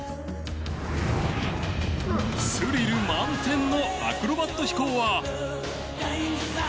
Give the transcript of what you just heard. スリル満点のアクロバット飛行は。